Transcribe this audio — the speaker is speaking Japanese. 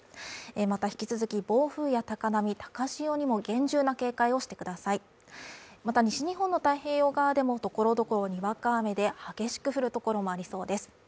また引き続き暴風や高波高潮にも厳重な警戒をしてくださいまた西日本の太平洋側でもところどころにわか雨で激しく降る所もありそうです